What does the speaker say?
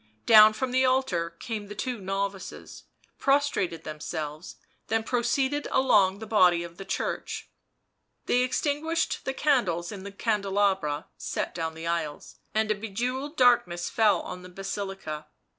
Down from the altar came the two novices, pros trated themselves, then proceeded along the body of the church. They extinguished the candles in the candelabra set down the aisles, and a bejewelled darkness fell on the Basilica.